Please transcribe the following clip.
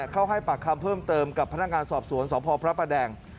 เข้าให้ปากคำเพิ่มเติมกับพนักงานสอบสวนสพพระประแดง